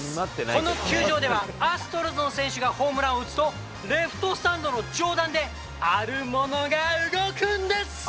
この球場では、アストロズの選手がホームランを打つと、レフトスタンドの上段であるものが動くんです。